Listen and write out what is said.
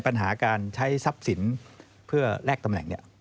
ปัญหาการใช้ทรัพย์สินเพื่อแลกตำแหน่ง